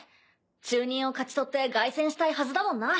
中忍を勝ち取って凱旋したいはずだもんな。